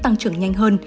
tăng trưởng nhanh hơn